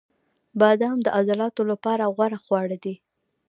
• بادام د عضلاتو لپاره غوره خواړه دي.